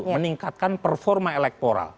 meningkatkan performa elektoral